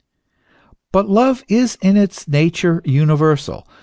But love is in its nature universal.